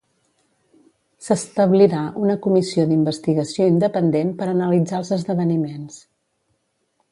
S'establirà una comissió d'investigació independent per analitzar els esdeveniments.